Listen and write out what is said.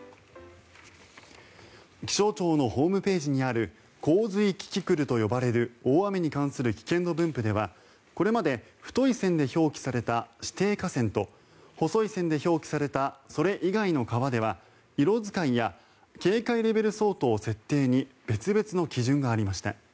気象庁のホームページにある洪水キキクルと呼ばれる大雨に関する危険度分布ではこれまで太い線で表記された指定河川と細い線で表記されたそれ以外の川では色使いや警戒レベル相当設定に別々の基準がありました。